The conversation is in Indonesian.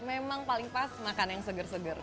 memang paling pas makan yang seger seger